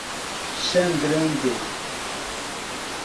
Chã Grande